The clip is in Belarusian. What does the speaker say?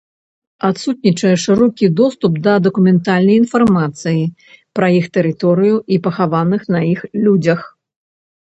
Адсутнічае шырокі доступ да дакументальнай інфармацыі пра іх тэрыторыю і пахаваных на іх людзях.